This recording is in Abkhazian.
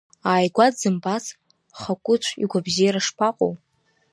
Ааигәа дзымбац, Хакәыцә игәабзиара шԥаҟоу?